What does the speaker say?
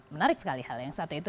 menarik sekali hal yang satu itu